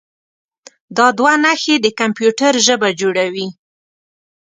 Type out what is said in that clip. دا دوه نښې د کمپیوټر ژبه جوړوي.